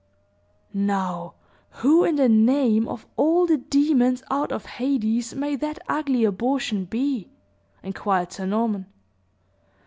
"Now, who in the name of all the demons out of Hades may that ugly abortion be?" inquired Sir Norman.